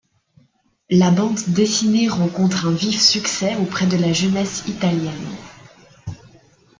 La bande dessinée rencontre un vif succès auprès de la jeunesse italienne.